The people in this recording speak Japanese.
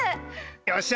よっしゃ。